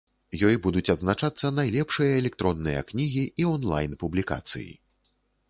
Ёй будуць адзначацца найлепшыя электронныя кнігі і онлайн-публікацыі.